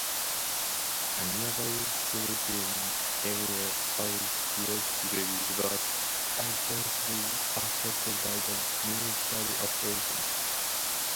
A nearby civilian area allegedly was adversely affected by the military operations.